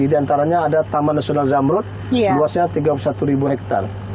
di antaranya ada taman nasional zamrut luasnya tiga puluh satu hektare